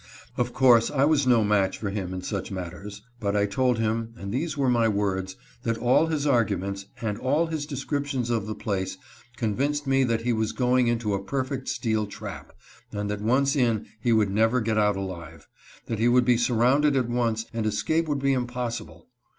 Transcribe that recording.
Of course I was no match for him in such matters, but I told him, and these were my words, that all his arguments, and all his descriptions of the place, convinced me that he was going into a perfect steel trap, and that once in he would never get out alive ; that he would be surrounded at once and escape would be impossible.